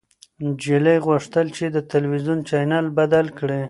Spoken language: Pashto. نجلۍ غوښتل چې د تلويزيون چاینل بدل کړي.